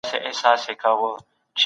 دولت به د قدرت د ساتلو له پاره هڅي وکړي.